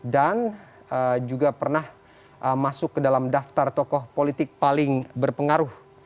dan juga pernah masuk ke dalam daftar tokoh politik paling berpengaruh